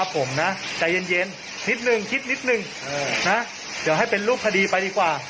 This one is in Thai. พอวันจะถึงฝั่งก็ตกตือด